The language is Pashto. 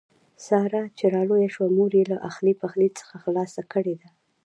ساره چې را لویه شوه مور یې له اخلي پخلي څخه خلاصه کړې ده.